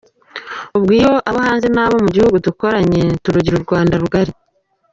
Ubwo iyo abo hanze n’abo mu gihugu dukoranye, turugira u Rwanda rugari.”